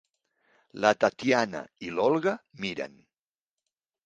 La Tatyana i l'Olga miren.